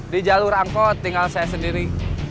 di jalur angkot tinggal saya sendiri